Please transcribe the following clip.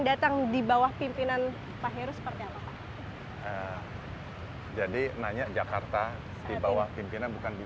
datang di bawah pimpinan pak heru seperti apa pak jadi nanya jakarta di bawah pimpinan bukan di